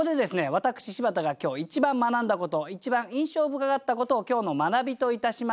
私柴田が今日一番学んだこと一番印象深かったことを今日の学びといたしまして